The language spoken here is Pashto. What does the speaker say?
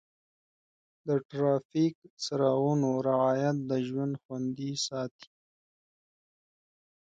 د ټرافیک څراغونو رعایت د ژوند خوندي ساتي.